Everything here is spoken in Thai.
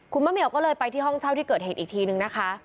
คุณมะเหมียวก็เลยไปที่ห้องเช่าที่เกิดเหตุอีกทีนึงนะคะ